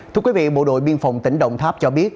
thưa quý vị bộ đội biên phòng tỉnh đồng tháp cho biết